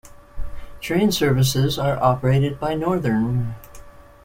Train services are operated by Northern.